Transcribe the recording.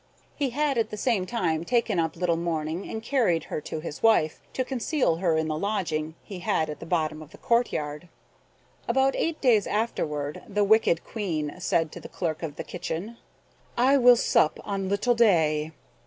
He had at the same time taken up little Morning, and carried her to his wife, to conceal her in the lodging he had at the bottom of the courtyard. About eight days afterward the wicked Queen said to the clerk of the kitchen, "I will sup on little Day."